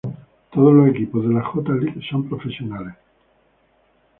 Todos los equipos de la J. League son profesionales.